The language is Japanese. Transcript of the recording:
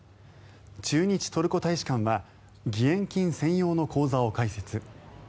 駐日トルコ大使館は義援金専用の口座を開設。